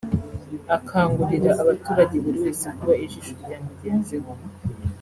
Akangurira abaturage buri wese kuba ijisho rya mugenzi we